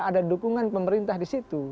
ada dukungan pemerintah di situ